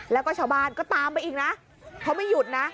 แล้วก็ชาวบ้านก็ตามไปอีกนะเขาไม่หยุดนะ